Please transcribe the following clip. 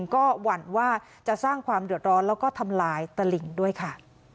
ก็หวั่นว่าจะสร้างความเดือดร้อนแล้วก็ทำลายตลิงด้วยค่ะ